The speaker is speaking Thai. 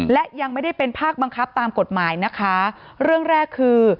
และยังไม่ได้เป็นภาคบังคับตามกฎหมายนะคะเรื่องแรกคือ